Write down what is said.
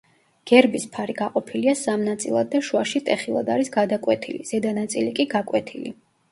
გერბის ფარი გაყოფილია სამ ნაწილად და შუაში ტეხილად არის გადაკვეთილი, ზედა ნაწილი კი გაკვეთილი.